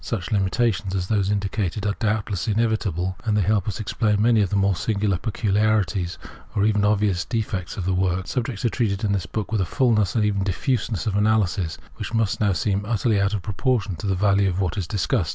Such limitations as those indicated ard doubtless inevitable, and they help us to explain many ot the more singular peculiarities, or even obvious defects, of the work. Subjects are treated in the book with a fullness, and even diffuseness of analysis, which must now seem utterly out of proportion to the value of what is discussed.